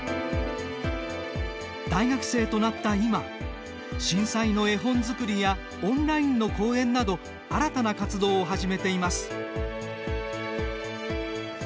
大学生となった今震災の絵本作りやオンラインの講演など新たな活動を始めています。